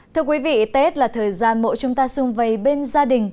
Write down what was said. thưa quý vị tết là thời gian mộ chúng ta xung vây bên gia đình